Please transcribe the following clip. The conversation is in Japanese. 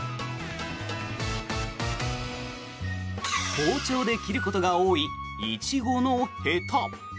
包丁で切ることが多いイチゴのへた。